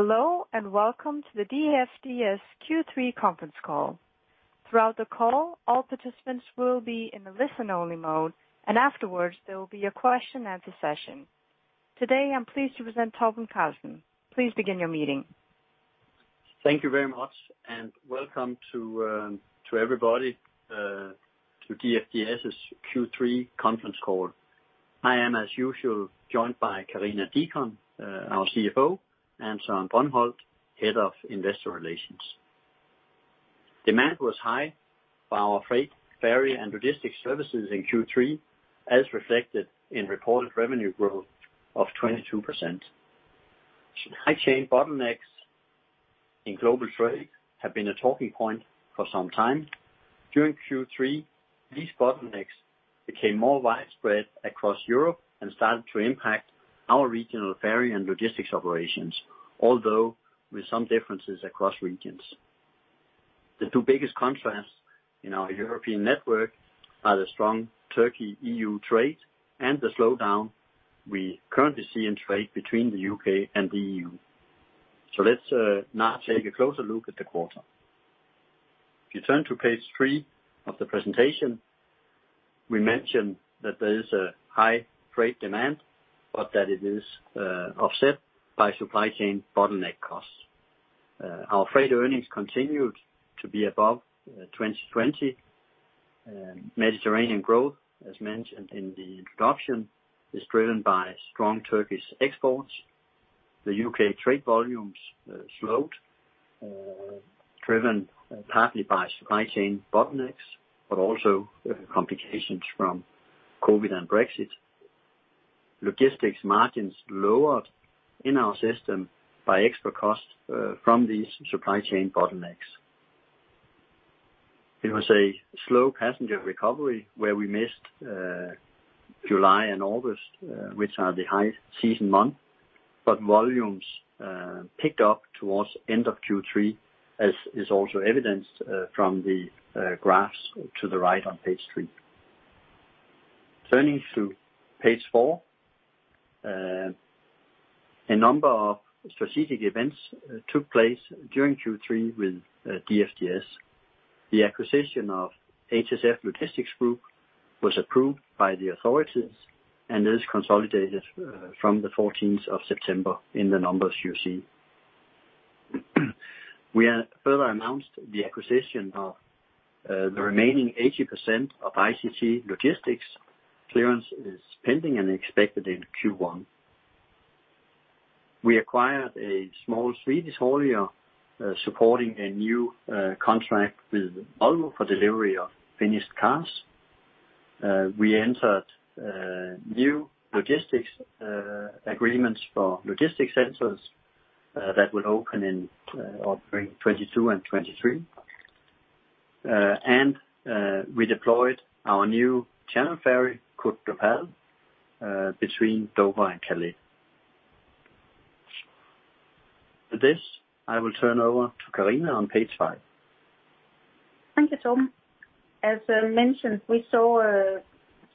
Hello, and Welcome to the DFDS Q3 conference call. Throughout the call, all participants will be in the listen-only mode, and afterwards there will be a question and answer session. Today, I'm pleased to present Torben Carlsen. Please begin your meeting. Thank you very much, and Welcome to everybody to DFDS's Q3 conference call. I am, as usual, joined by Karina Deacon, our CFO, and Søren Brøndholt, Head of Investor Relations. Demand was high for our freight, ferry, and logistics services in Q3, as reflected in reported revenue growth of 22%. Supply chain bottlenecks in global trade have been a talking point for some time. During Q3, these bottlenecks became more widespread across Europe and started to impact our regional ferry and logistics operations, although with some differences across regions. The two biggest contrasts in our European network are the strong Turkey-EU trade and the slowdown we currently see in trade between the U.K. and the EU. Let's now take a closer look at the quarter. If you turn to page three of the presentation, we mentioned that there is a high freight demand, but that it is offset by supply chain bottleneck costs. Our freight earnings continued to be above 2020. Mediterranean growth, as mentioned in the introduction, is driven by strong Turkish exports. The U.K. trade volumes slowed, driven partly by supply chain bottlenecks, but also complications from COVID and Brexit. Logistics margins lowered in our system by extra costs from these supply chain bottlenecks. It was a slow passenger recovery where we missed July and August, which are the high season month, but volumes picked up towards end of Q3, as is also evidenced from the graphs to the right on page three. Turning to page four, a number of strategic events took place during Q3 with DFDS. The acquisition of HSF Logistics Group was approved by the authorities and is consolidated from September 14 in the numbers you see. We have further announced the acquisition of the remaining 80% of ICT Logistics. Clearance is pending and expected in Q1. We acquired a small Swedish haulier supporting a new contract with Volvo for delivery of finished cars. We entered new logistics agreements for logistics centers that will open in operating 2022 and 2023. We deployed our new channel ferry, Côte d'Opale, between Dover and Calais. With this, I will turn over to Karina on page five. Thank you, Torben. As mentioned, we saw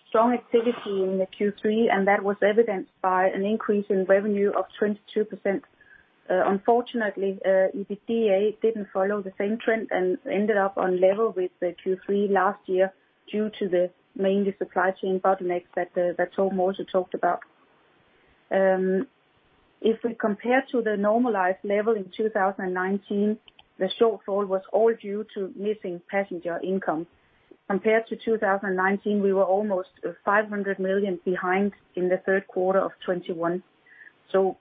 strong activity in the Q3, and that was evidenced by an increase in revenue of 22%. Unfortunately, EBITDA didn't follow the same trend and ended up on level with the Q3 last year due to mainly supply chain bottlenecks that Torben also talked about. If we compare to the normalized level in 2019, the shortfall was all due to missing passenger income. Compared to 2019, we were almost 500 million behind in the third quarter of 2021.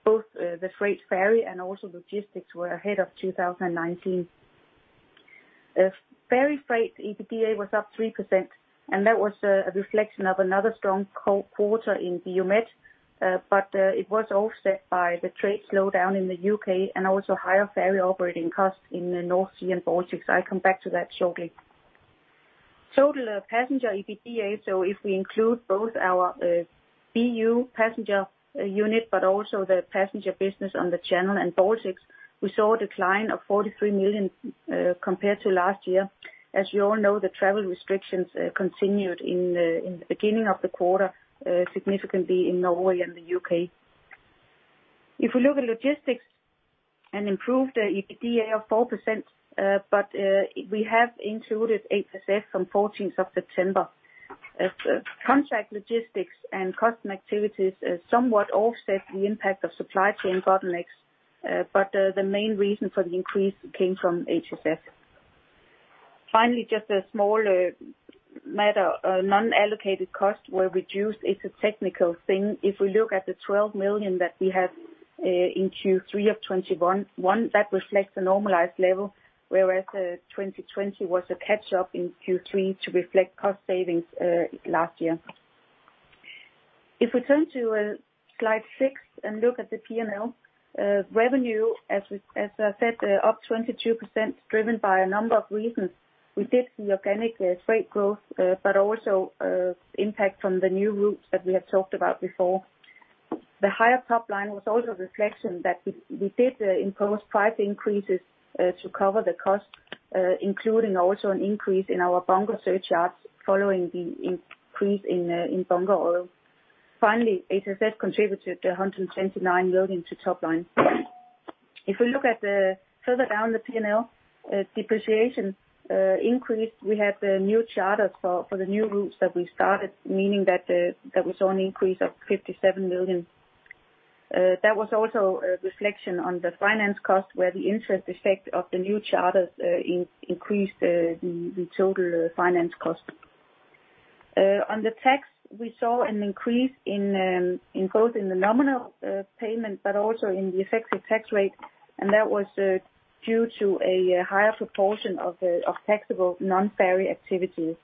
Both the freight ferry and also logistics were ahead of 2019. Ferry freight EBITDA was up 3%, and that was a reflection of another strong quarter in BU Med, but it was offset by the trade slowdown in the U.K. and also higher ferry operating costs in the North Sea and Baltics. I come back to that shortly. Total passenger EBITDA, so if we include both our BU Pax unit, but also the passenger business on the Channel and Baltics, we saw a decline of 43 million compared to last year. As you all know, the travel restrictions continued in the beginning of the quarter, significantly in Norway and the U.K. If we look at logistics, an improved EBITDA of 4%, but we have included HSF from fourteenth of September. Contract logistics and customs activities somewhat offset the impact of supply chain bottlenecks, but the main reason for the increase came from HSF. Finally, just a small matter of non-allocated costs were reduced. It's a technical thing. If we look at the 12 million that we had in Q3 2021, that reflects the normalized level, whereas 2020 was a catch-up in Q3 to reflect cost savings last year. If we turn to slide six and look at the P&L, revenue as I said up 22%, driven by a number of reasons. We did see organic freight growth, but also impact from the new routes that we have talked about before. The higher top line was also a reflection that we did impose price increases to cover the cost, including also an increase in our bunker surcharges following the increase in bunker oil. Finally, HSF contributed 179 million to top line. If we look further down the P&L, depreciation increase, we have the new charters for the new routes that we started, meaning that we saw an increase of 57 million. That was also a reflection on the finance cost, where the interest effect of the new charters increased the total finance cost. On the tax, we saw an increase in both the nominal payment, but also in the effective tax rate. That was due to a higher proportion of taxable non-ferry activities.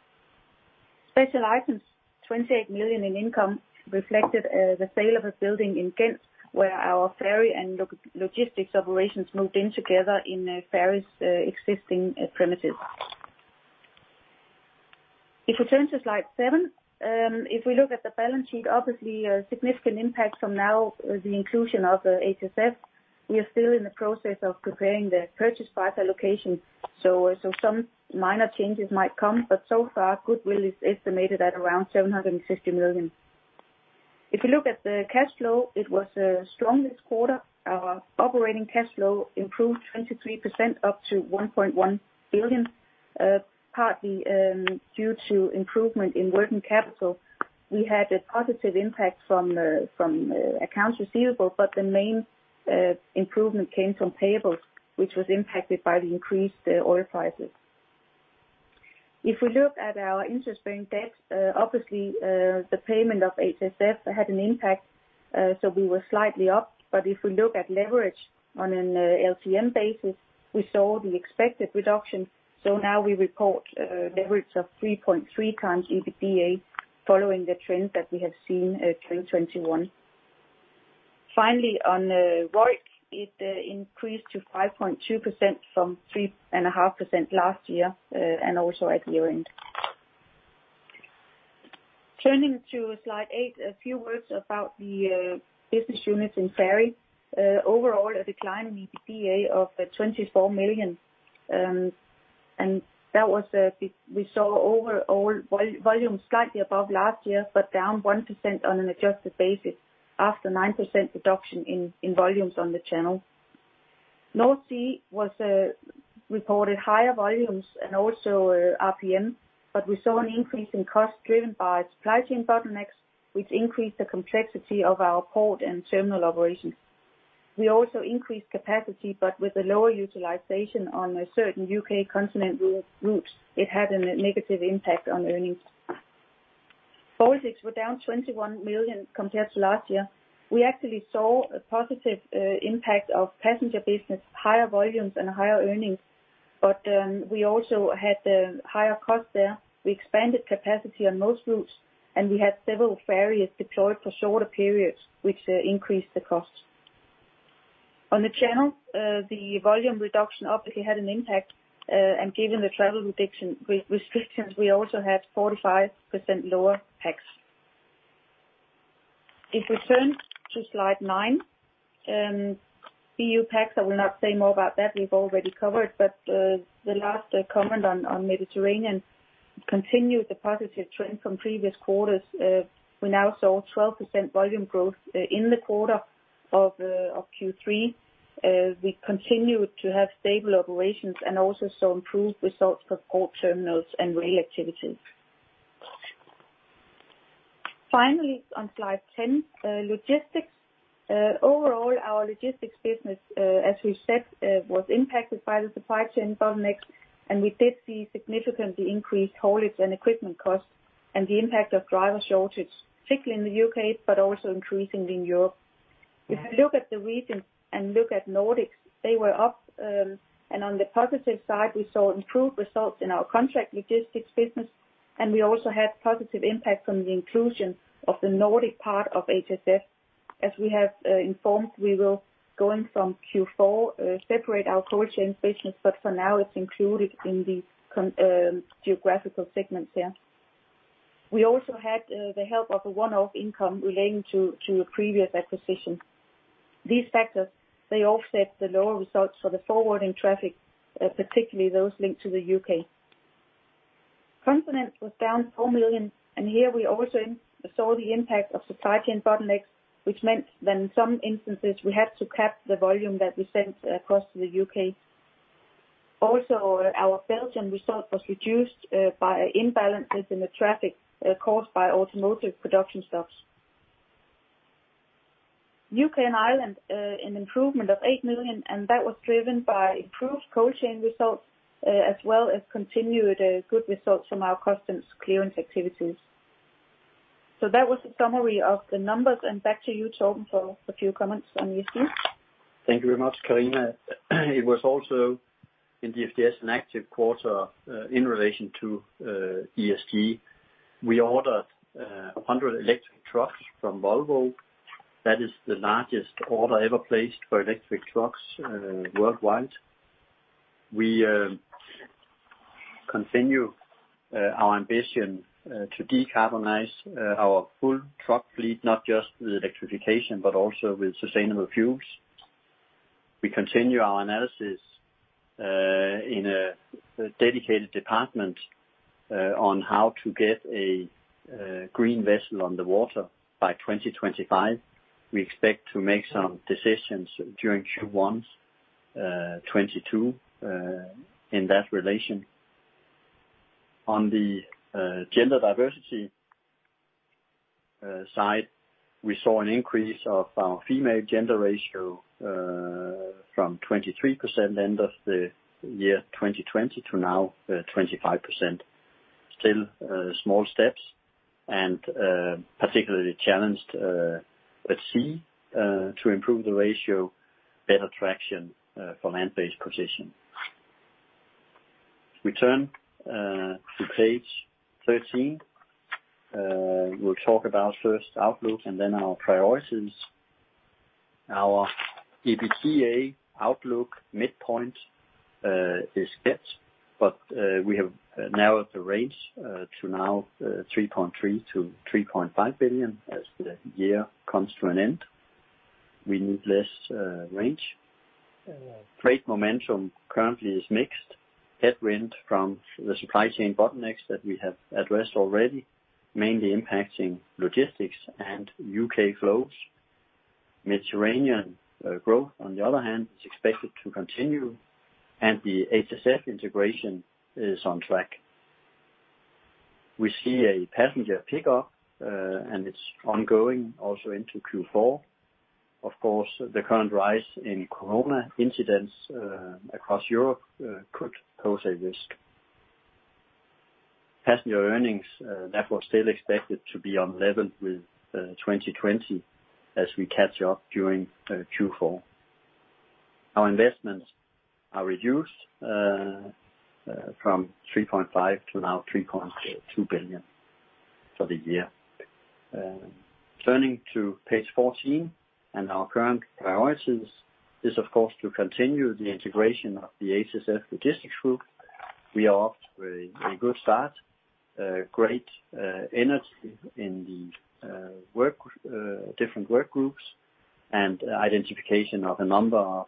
Special items, 28 million in income reflected the sale of a building in Ghent, where our ferry and logistics operations moved in together in ferry's existing premises. If we turn to slide seven, if we look at the balance sheet, obviously a significant impact from now the inclusion of HSF. We are still in the process of preparing the purchase price allocation, so some minor changes might come, but so far, goodwill is estimated at around 760 million. If you look at the cash flow, it was strong this quarter. Our operating cash flow improved 23% up to 1.1 billion. Partly due to improvement in working capital. We had a positive impact from accounts receivable, but the main improvement came from payables, which was impacted by the increased oil prices. If we look at our interest-bearing debt, obviously, the payment of HSF had an impact, so we were slightly up. If we look at leverage on an LTM basis, we saw the expected reduction. Now we report leverage of 3.3x EBITDA, following the trend that we have seen through 2021. Finally, on ROIC, it increased to 5.2% from 3.5% last year, and also at year-end. Turning to slide eight, a few words about the business units in ferry. Overall, a decline in EBITDA of 24 million. That was, we saw overall volume slightly above last year, but down 1% on an adjusted basis, after 9% reduction in volumes on the channel. North Sea was reported higher volumes and also RPM, but we saw an increase in costs driven by supply chain bottlenecks, which increased the complexity of our port and terminal operations. We also increased capacity, but with a lower utilization on certain UK-continent routes, it had a negative impact on earnings. Baltics were down 21 million compared to last year. We actually saw a positive impact of passenger business, higher volumes and higher earnings. We also had higher costs there. We expanded capacity on most routes, and we had several ferries deployed for shorter periods, which increased the costs. On the channel, the volume reduction obviously had an impact. Given the travel restrictions, we also had 45% lower PAX. If we turn to slide nine, BU Pax, I will not say more about that, we've already covered. The last comment on Mediterranean continued the positive trend from previous quarters. We now saw 12% volume growth in the quarter of Q3. We continued to have stable operations and also saw improved results for port terminals and rail activities. Finally, on slide 10, logistics. Overall, our logistics business, as we said, was impacted by the supply chain bottlenecks, and we did see significantly increased haulage and equipment costs and the impact of driver shortage, particularly in the U.K., but also increasingly in Europe. If you look at the regions and look at Nordics, they were up, and on the positive side, we saw improved results in our contract logistics business, and we also had positive impact from the inclusion of the Nordic part of HSF. As we have informed, we will go in from Q4, separate our cold chain business, but for now it's included in the geographical segments there. We also had the help of a one-off income relating to a previous acquisition. These factors, they offset the lower results for the forwarding traffic, particularly those linked to the U.K. Continent was down 4 million, and here we also saw the impact of supply chain bottlenecks, which meant that in some instances we had to cap the volume that we sent across to the U.K. Also, our Belgium result was reduced by imbalances in the traffic caused by automotive production stops. U.K. and Ireland, an improvement of 8 million, and that was driven by improved cold chain results as well as continued good results from our customs clearance activities. That was a summary of the numbers, and back to you, Torben, for a few comments on ESG. Thank you very much, Karina Deacon. It was also in DFDS an active quarter in relation to ESG. We ordered 100 electric trucks from Volvo. That is the largest order ever placed for electric trucks worldwide. We continue our ambition to decarbonize our full truck fleet, not just with electrification, but also with sustainable fuels. We continue our analysis in a dedicated department on how to get a green vessel on the water by 2025. We expect to make some decisions during Q1 2022 in that relation. On the gender diversity side, we saw an increase of our female gender ratio from 23% end of the year 2020 to now 25%. Still, small steps and particularly challenged at sea to improve the ratio, better traction for land-based position. We turn to page 13. We'll talk about the outlook first and then our priorities. Our EBITDA outlook midpoint is hit, but we have narrowed the range to now 3.3 billion-3.5 billion as the year comes to an end. We need less range. Freight momentum currently is mixed. Headwind from the supply chain bottlenecks that we have addressed already, mainly impacting logistics and U.K. flows. Mediterranean growth on the other hand is expected to continue and the HSF integration is on track. We see a passenger pickup, and it's ongoing also into Q4. Of course, the current rise in COVID incidents across Europe could pose a risk. Passenger earnings therefore still expected to be on level with 2020 as we catch up during Q4. Our investments are reduced from 3.5 billion-3.2 billion for the year. Turning to page 14 and our current priorities is of course to continue the integration of the HSF Logistics Group. We are off to a good start, great energy in the work, different work groups and identification of a number,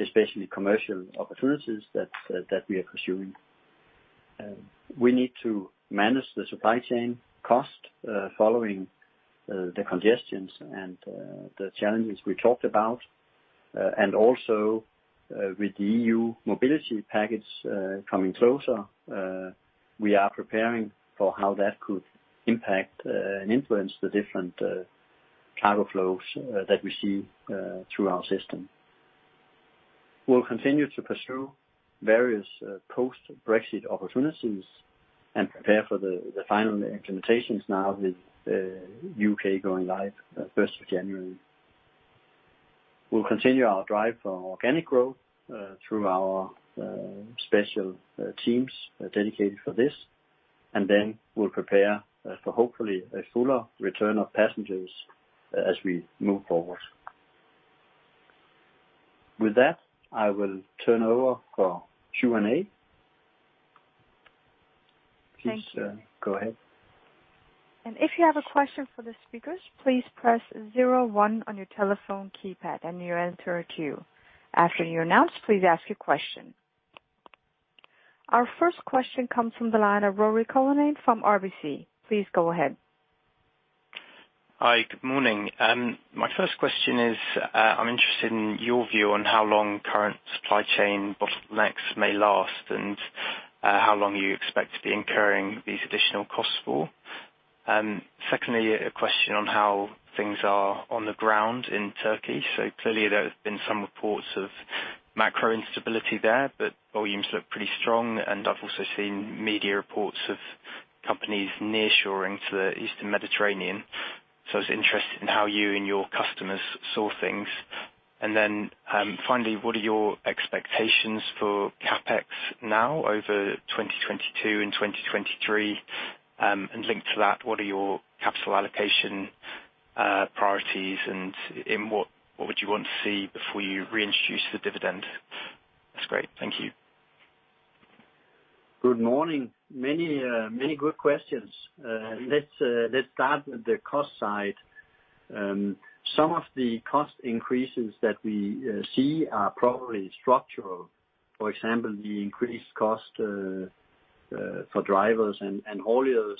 especially commercial opportunities that we are pursuing. We need to manage the supply chain cost following the congestions and the challenges we talked about and also with the EU Mobility Package coming closer. We are preparing for how that could impact and influence the different cargo flows that we see through our system. We'll continue to pursue various post-Brexit opportunities and prepare for the final implementations now with U.K. going live first of January. We'll continue our drive for organic growth through our special teams dedicated for this, and then we'll prepare for hopefully a fuller return of passengers as we move forward. With that, I will turn over for Q&A. Thank you. Please, go ahead. If you have a question for the speakers, please press zero one on your telephone keypad. After you're announced, please ask your question. Our first question comes from the line of Ruairi Cullinane from RBC. Please go ahead. Hi. Good morning. My first question is, I'm interested in your view on how long current supply chain bottlenecks may last, and, how long you expect to be incurring these additional costs for. Secondly, a question on how things are on the ground in Turkey. Clearly, there have been some reports of macro instability there, but volumes look pretty strong, and I've also seen media reports of companies nearshoring to the Eastern Mediterranean. I was interested in how you and your customers saw things. Finally, what are your expectations for CapEx now over 2022 and 2023? Linked to that, what are your capital allocation priorities and what would you want to see before you reintroduce the dividend? That's great. Thank you. Good morning. Many good questions. Let's start with the cost side. Some of the cost increases that we see are probably structural. For example, the increased cost for drivers and hauliers,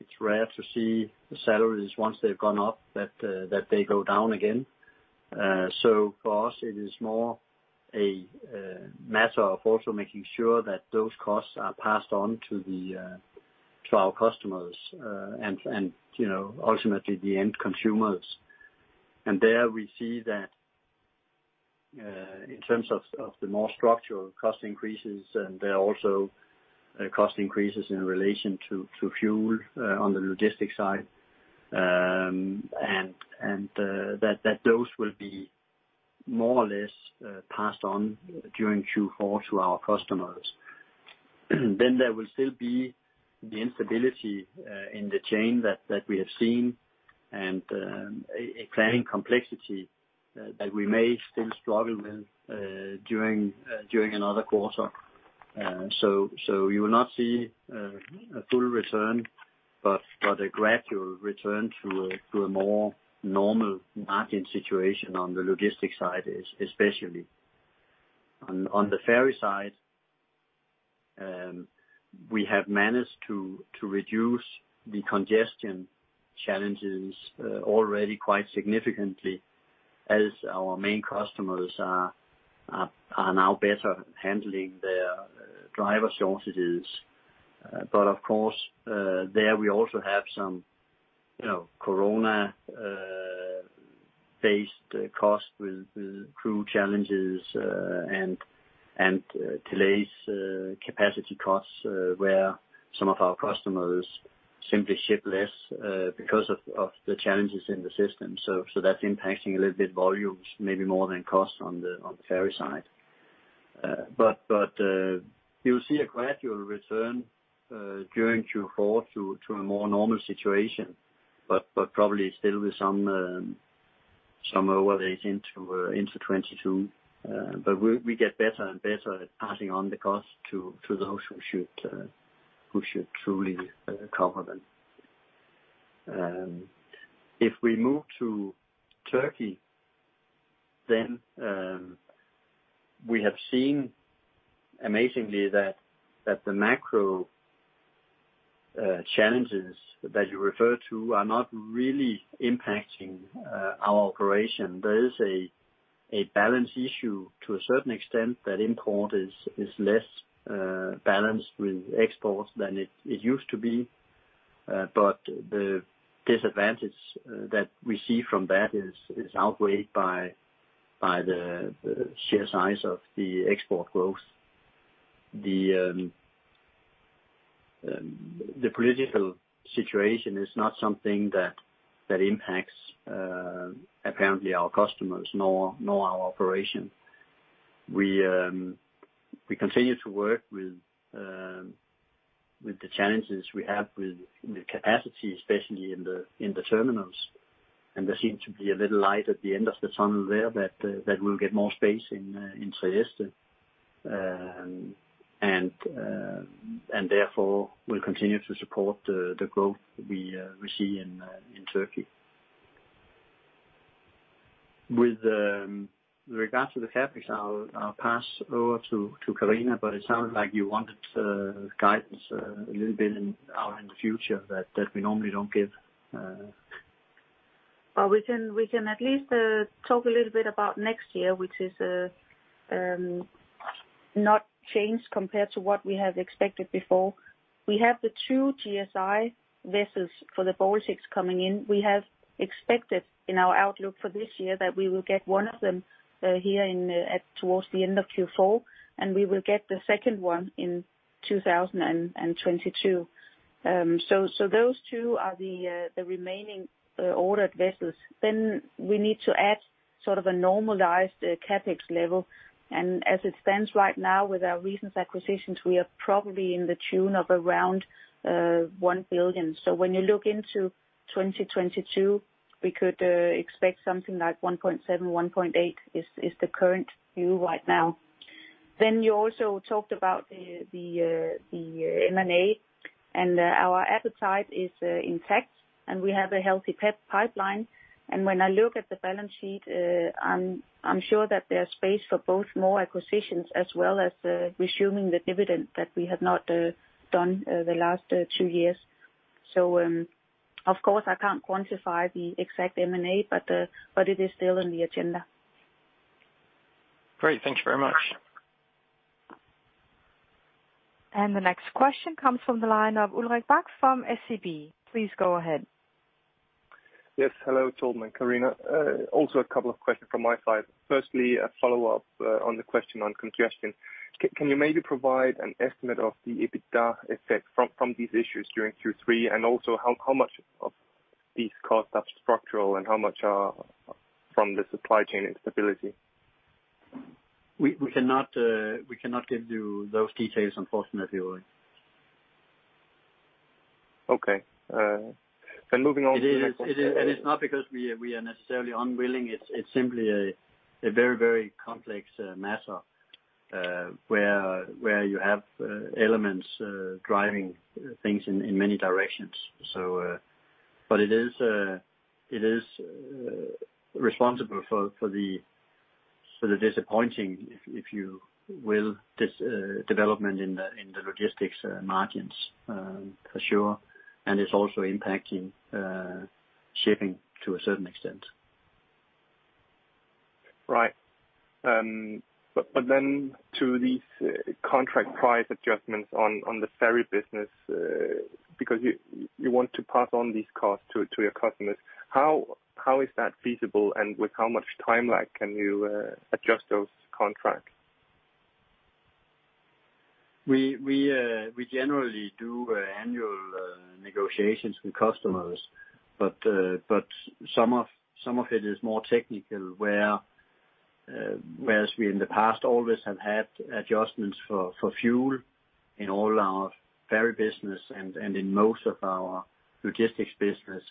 it's rare to see the salaries once they've gone up that they go down again. For us, it is more a matter of also making sure that those costs are passed on to our customers, and you know, ultimately the end consumers. There we see that in terms of the more structural cost increases, and there are also cost increases in relation to fuel on the logistics side, and that those will be more or less passed on during Q4 to our customers. There will still be the instability in the chain that we have seen and a planning complexity that we may still struggle with during another quarter. You will not see a full return, but a gradual return to a more normal market situation on the logistics side especially. On the ferry side, we have managed to reduce the congestion challenges already quite significantly as our main customers are now better handling their driver shortages. Of course, there we also have some, you know, COVID-based costs with crew challenges and delays, capacity costs where some of our customers simply ship less because of the challenges in the system. That's impacting a little bit volumes, maybe more than costs on the ferry side. You'll see a gradual return during Q4 to a more normal situation, but probably still with some overhang into 2022. We get better and better at passing on the cost to those who should truly cover them. If we move to Turkey, we have seen amazingly that the macro challenges that you refer to are not really impacting our operation. There is a balance issue to a certain extent that imports are less balanced with exports than it used to be. The disadvantage that we see from that is outweighed by the sheer size of the export growth. The political situation is not something that impacts apparently our customers nor our operation. We continue to work with the challenges we have with the capacity, especially in the terminals, and there seems to be a little light at the end of the tunnel there that we'll get more space in Trieste and therefore will continue to support the growth we see in Turkey. With regards to the CapEx, I'll pass over to Karina, but it sounds like you wanted guidance a little bit out in the future that we normally don't give. Well, we can at least talk a little bit about next year, which is not changed compared to what we had expected before. We have the two GSI vessels for the Baltic coming in. We have expected in our outlook for this year that we will get one of them towards the end of Q4, and we will get the second one in 2022. Those two are the remaining ordered vessels. We need to add sort of a normalized CapEx level. As it stands right now with our recent acquisitions, we are probably to the tune of around 1 billion. When you look into 2022, we could expect something like 1.7 billion-1.8 billion, which is the current view right now. You also talked about the M&A, and our appetite is intact, and we have a healthy deep pipeline. When I look at the balance sheet, I'm sure that there's space for both more acquisitions as well as resuming the dividend that we have not done the last two years. Of course, I can't quantify the exact M&A, but it is still on the agenda. Great. Thank you very much. The next question comes from the line of Ulrik Bak from SEB. Please go ahead. Yes. Hello, Torben Carlsen, Karina Deacon. Also a couple of questions from my side. Firstly, a follow-up on the question on congestion. Can you maybe provide an estimate of the EBITDA effect from these issues during Q3? Also, how much of these costs are structural and how much are from the supply chain instability? We cannot give you those details, unfortunately, Ulrik. Okay. Moving on to the- It is. It's not because we are necessarily unwilling. It's simply a very complex matter where you have elements driving things in many directions. It is responsible for the disappointing, if you will, this development in the logistics margins, for sure. It's also impacting shipping to a certain extent. Right. To these contract price adjustments on the ferry business, because you want to pass on these costs to your customers, how is that feasible, and with how much timeline can you adjust those contracts? We generally do annual negotiations with customers, but some of it is more technical, whereas we in the past always have had adjustments for fuel in all our ferry business and in most of our logistics business.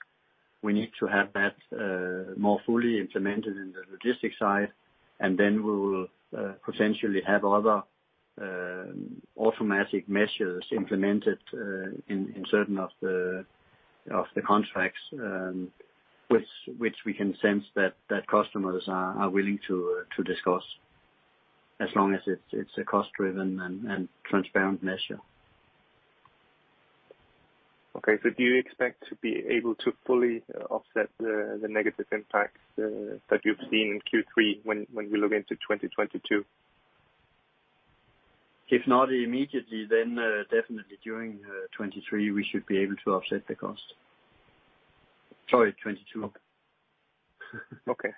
We need to have that more fully implemented in the logistics side, and then we will potentially have other automatic measures implemented in certain of the contracts, which we can sense that customers are willing to discuss as long as it's a cost-driven and transparent measure. Do you expect to be able to fully offset the negative impacts that you've seen in Q3 when we look into 2022? If not immediately, then definitely during 2023, we should be able to offset the cost. Sorry, 2022. Okay.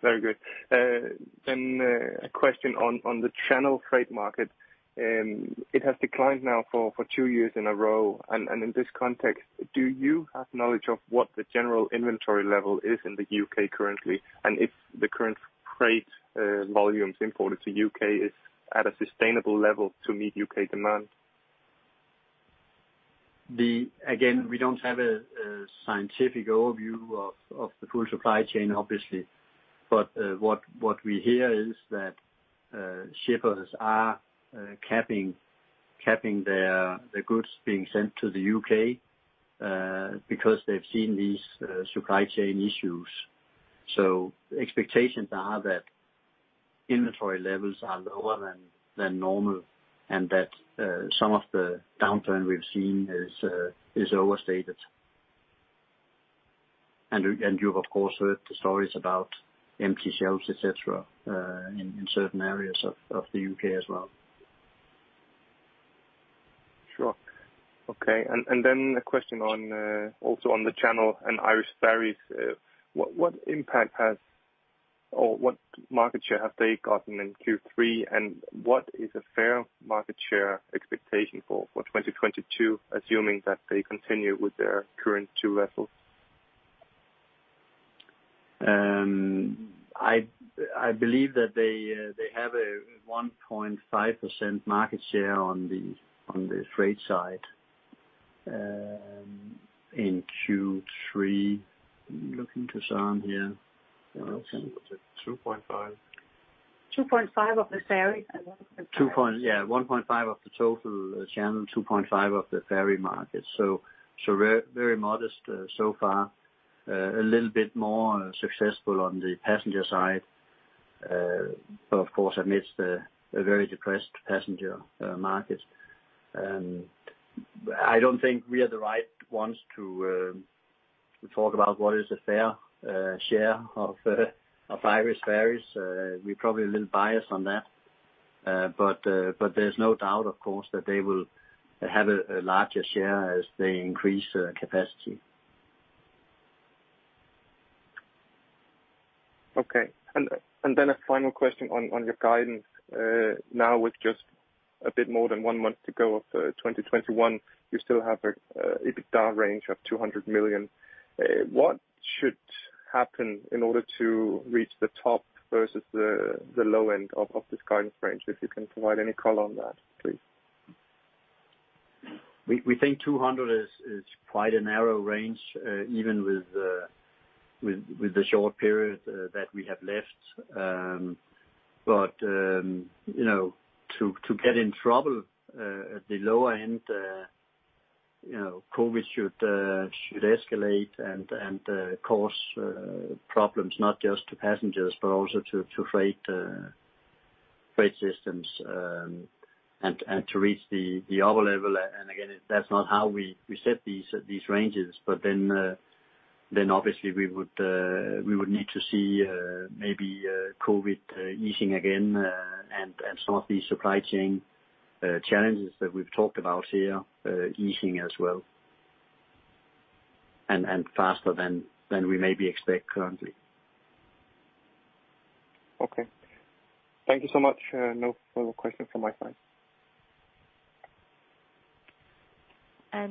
Very good. A question on the Channel freight market. It has declined now for two years in a row. In this context, do you have knowledge of what the general inventory level is in the U.K. currently? If the current freight volumes imported to the U.K. is at a sustainable level to meet U.K. demand. Again, we don't have a scientific overview of the full supply chain, obviously. What we hear is that shippers are capping the goods being sent to the U.K. because they've seen these supply chain issues. Expectations are that inventory levels are lower than normal, and that some of the downturn we've seen is overstated. You've of course heard the stories about empty shelves, et cetera, in certain areas of the U.K. as well. Sure. Okay. Then a question on also on the Channel and Irish Ferries. What impact has or what market share have they gotten in Q3, and what is a fair market share expectation for 2022, assuming that they continue with their current two vessels? I believe that they have a 1.5% market share on the freight side in Q3. Looking to Søren here. Okay. 2.5 of the ferries and 1.5 Yeah, 1.5% of the total Channel, 2.5% of the ferry market. Very modest so far. A little bit more successful on the passenger side. Of course amidst a very depressed passenger market. I don't think we are the right ones to talk about what is a fair share of Irish Ferries. We're probably a little biased on that. There's no doubt of course that they will have a larger share as they increase capacity. Okay. Then a final question on your guidance. Now with just a bit more than one month to go of 2021, you still have an EBITDA range of 200 million. What should happen in order to reach the top versus the low end of this guidance range? If you can provide any color on that, please. We think 200 is quite a narrow range, even with the short period that we have left. You know, to get in trouble at the lower end, you know, COVID should escalate and cause problems not just to passengers, but also to freight systems. To reach the upper level, and again, that's not how we set these ranges, but then obviously we would need to see maybe COVID easing again, and some of these supply chain challenges that we've talked about here easing as well faster than we maybe expect currently. Okay. Thank you so much. No further questions from my side.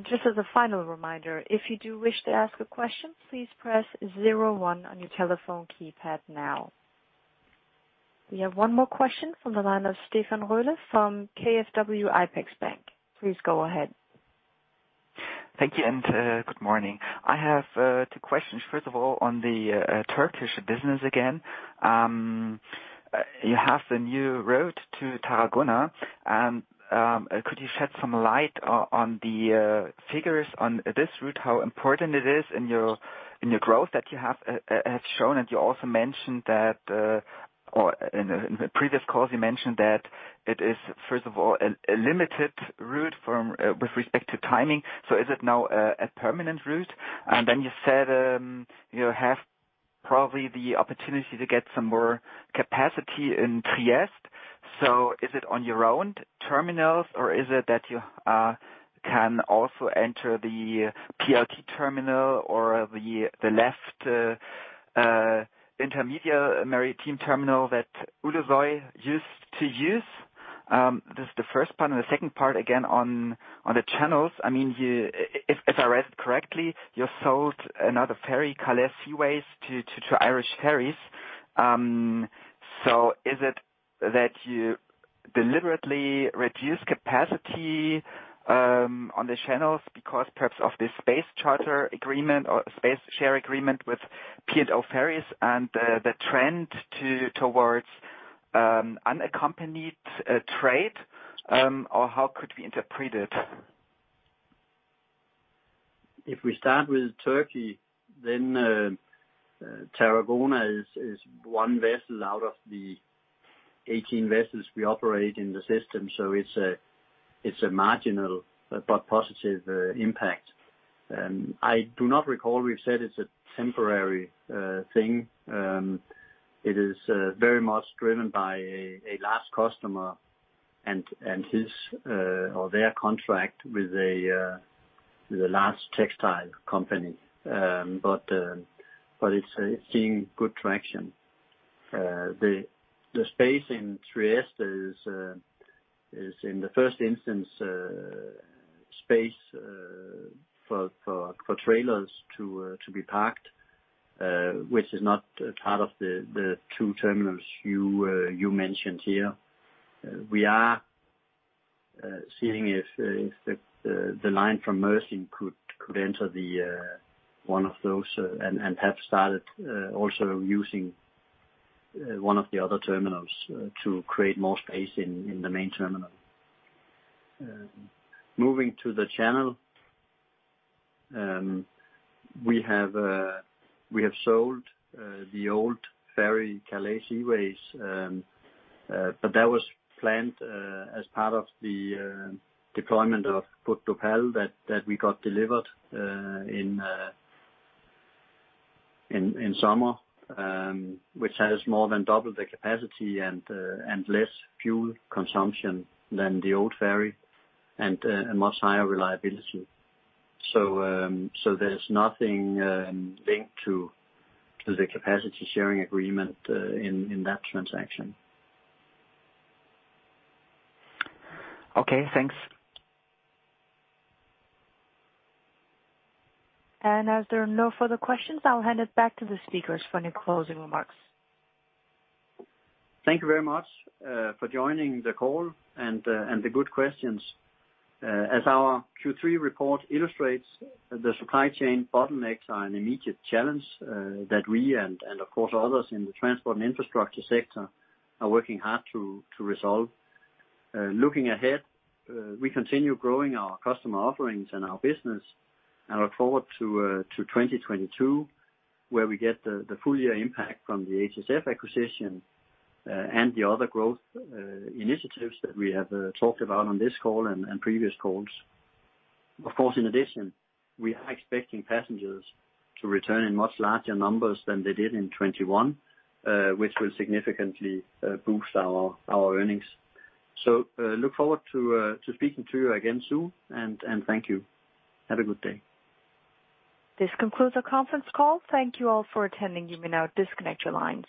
Just as a final reminder, if you do wish to ask a question, please press zero one on your telephone keypad now. We have one more question from the line of Stefan Rölle from KfW IPEX-Bank. Please go ahead. Thank you and good morning. I have two questions. First of all, on the Turkish business again. You have the new route to Tarragona. Could you shed some light on the figures on this route, how important it is in your growth that you have shown? You also mentioned that or in the previous calls you mentioned that it is first of all a limited route from with respect to timing. Is it now a permanent route? You said you have probably the opportunity to get some more capacity in Trieste. Is it on your own terminals, or is it that you can also enter the PLT terminal or the left intermediate maritime terminal that Ulusoy used to use? This is the first part. The second part, again on the Channels. I mean, if I read it correctly, you sold another ferry, Calais Seaways, to Irish Ferries. Is it that you deliberately reduce capacity on the Channels because perhaps of the space charter agreement or space share agreement with P&O Ferries and the trend towards unaccompanied trade, or how could we interpret it? If we start with Turkey, Tarragona is one vessel out of the 18 vessels we operate in the system, so it's a marginal but positive impact. I do not recall we've said it's a temporary thing. It is very much driven by a large customer and his or their contract with a large textile company. It's seeing good traction. The space in Trieste is in the first instance space for trailers to be parked, which is not part of the two terminals you mentioned here. We are seeing if the line from Mersin could enter one of those, and have started also using one of the other terminals to create more space in the main terminal. Moving to the channel, we have sold the old ferry Calais Seaways, but that was planned as part of the deployment of Côte d'Opale that we got delivered in summer, which has more than double the capacity and less fuel consumption than the old ferry and a much higher reliability. There's nothing linked to the capacity sharing agreement in that transaction. Okay, thanks. As there are no further questions, I'll hand it back to the speakers for any closing remarks. Thank you very much for joining the call and the good questions. As our Q3 report illustrates, the supply chain bottlenecks are an immediate challenge that we and of course others in the transport and infrastructure sector are working hard to resolve. Looking ahead, we continue growing our customer offerings and our business and look forward to 2022, where we get the full year impact from the HSF acquisition and the other growth initiatives that we have talked about on this call and previous calls. Of course, in addition, we are expecting passengers to return in much larger numbers than they did in 2021, which will significantly boost our earnings. Look forward to speaking to you again soon and thank you. Have a good day. This concludes our conference call. Thank you all for attending. You may now disconnect your lines.